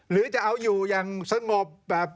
หรือจะเอาอยู่อย่างสงบแบบ